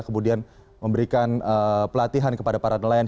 kemudian memberikan pelatihan kepada para nelayan